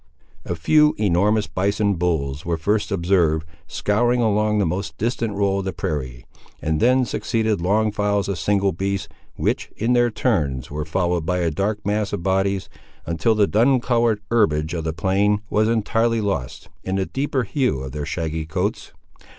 A few enormous bison bulls were first observed, scouring along the most distant roll of the prairie, and then succeeded long files of single beasts, which, in their turns, were followed by a dark mass of bodies, until the dun coloured herbage of the plain was entirely lost, in the deeper hue of their shaggy coats.